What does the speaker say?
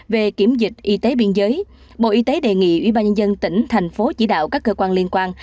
về kiểm dịch y tế biên giới bộ y tế đề nghị ubnd tỉnh thành phố chỉ đạo các cơ quan liên quan